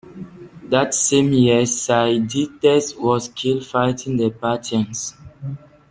That same year Sidetes was killed fighting the Parthians.